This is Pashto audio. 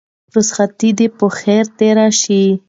رخصتي دې په خير تېره شه.